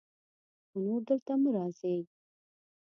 خو نور دلته مه راځئ.